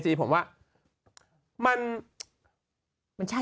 เช็ดแรงไปนี่